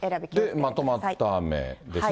で、まとまった雨ですね。